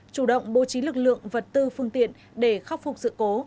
chủ động bố trí lực lượng vật tư phương tiện để khắc phục sự cố